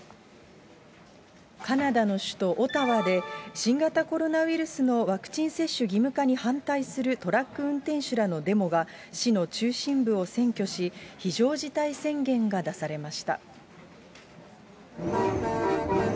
カナダの首都オタワで、新型コロナウイルスのワクチン接種義務化に反対するトラック運転手らのデモが市の中心部を占拠し、非常事態宣言が出されました。